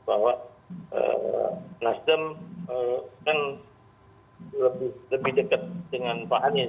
bahwa nasdem kan lebih dekat dengan pak anies